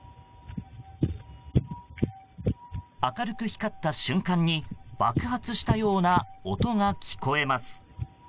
明るく光った瞬間に爆発したような音が聞こえます。